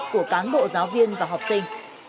của cán bộ giáo viên và học sinh